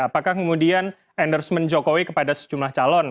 apakah kemudian endorsement jokowi kepada sejumlah calon